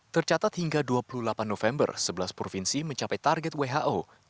tercatat hingga dua puluh delapan november sebelas provinsi mencapai target who